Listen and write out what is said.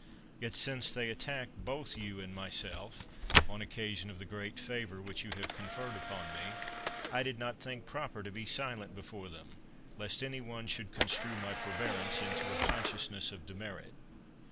Yet, since they attack both you and myself, on oc casion of the great favor which you have con ferred upon me, I did not think proper to be silent before them, lest any one should construe my forbearance into a consciousness of demerit.